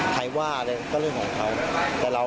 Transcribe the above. ใครว่าอะไรก็เรื่องของเขา